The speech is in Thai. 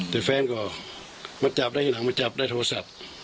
แต่แฟนก็มาจับได้ทีหลังมาจับได้โทรศัพท์